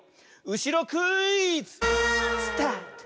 うしろクイズ！スタート。